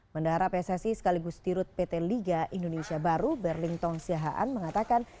mendahara pssi sekaligus tirut pt liga indonesia baru berlington siahaan mengatakan